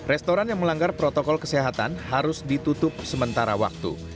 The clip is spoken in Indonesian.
restoran yang melanggar protokol kesehatan harus ditutup sementara waktu